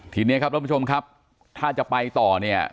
ทีนี้ครับท่านผู้ชมครับถ้าจะไปต่อเนี่ย